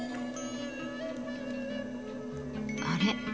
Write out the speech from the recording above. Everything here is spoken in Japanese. あれ？